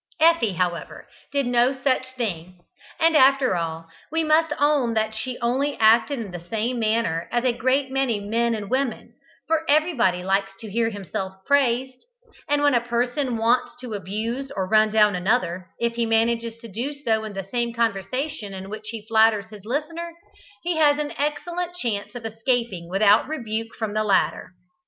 Effie, however, did no such thing; and after all, we must own that she only acted in the same manner as a great many men and women, for everybody likes to hear himself praised, and when a person wants to abuse or run down another, if he manages to do so in the same conversation in which he flatters his listener, he has an excellent chance of escaping without rebuke from the latter.